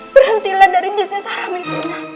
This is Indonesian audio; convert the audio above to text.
berhentilah dari bisnis haram ibu ya